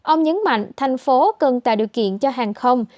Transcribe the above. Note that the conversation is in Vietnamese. ông nhấn mạnh thành phố cần tạo điều kiện cho hàng không